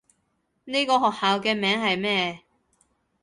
呢個學校嘅名係咩？